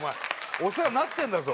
お世話になってんだぞ。